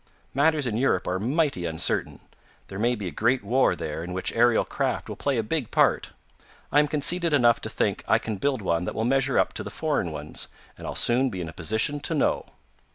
Matters in Europe are mighty uncertain. There may be a great war there in which aerial craft will play a big part. I am conceited enough to think I can build one that will measure up to the foreign ones, and I'll soon be in a position to know."